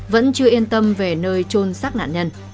vẫn chưa yên tâm về nơi trôn xác nạn nhân